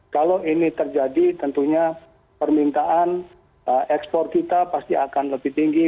kalau ini terjadi tentunya permintaan ekspor kita pasti akan lebih tinggi